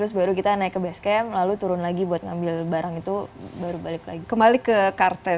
sesaat lagi dalam insight